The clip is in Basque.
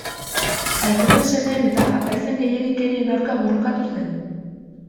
Aitonen semeen eta apaizen gehiegikerien aurka borrokatu zen.